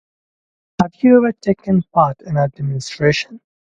I've never taken part in a demonstration.